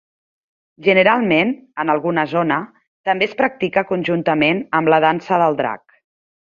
Generalment, en alguna zona, també es practica conjuntament amb la dansa del Drac.